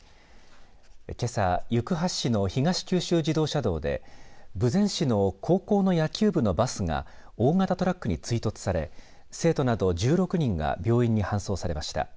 けさ、行橋市の東九州自動車道で豊前市の高校の野球部のバスが大型トラックに追突され生徒など１６人が病院に搬送されました。